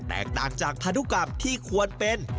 แตกต่างจากพันธุกรรมที่ควรเป็น